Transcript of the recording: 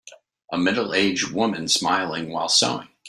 An middleage woman smiling while sewing.